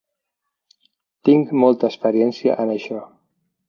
Tic molta experiència en això.